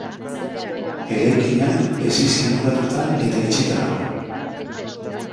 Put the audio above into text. Eraikina hesiz inguratuta eta itxita dago.